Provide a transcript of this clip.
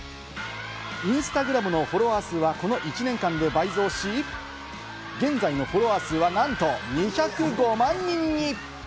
インスタグラムのフォロワー数はこの１年間で倍増し、現在のフォロワー数は何と２０５万人に。